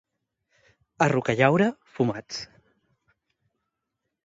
A Rocallaura, fumats.